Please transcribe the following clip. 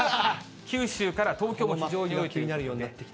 九州から東京も非常に多くなってきた。